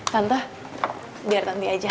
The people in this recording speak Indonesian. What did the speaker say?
tante biar nanti aja